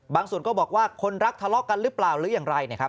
บางส่วนก็บอกว่าคนรักทะเลาะกันหรือเปล่าหรืออย่างไร